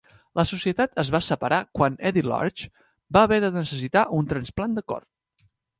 La societat es va separar quan Eddie Large va haver de necessitar un trasplant de cor.